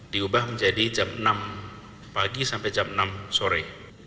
diubah menjadi jam enam pagi sampai jam enam sore